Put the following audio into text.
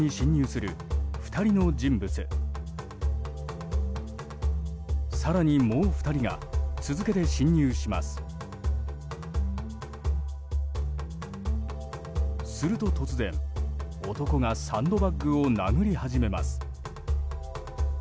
すると、突然、男がサンドバッグを殴り始めます。